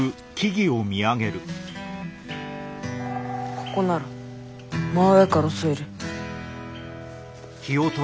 ここなら真上から襲える。